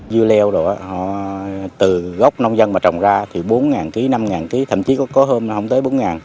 dưa leo đồ từ gốc nông dân mà trồng ra thì bốn ký năm ký thậm chí có hôm không tới bốn